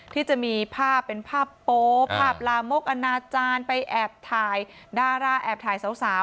ที่จะมีภาพเป็นภาพโป๊ภาพลามกอนาจารย์ไปแอบถ่ายดาราแอบถ่ายสาว